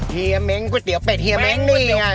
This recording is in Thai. เที่ยเหม็งก๋วยเตี๋ยวเป็ดเหม็งนี้อ่ะ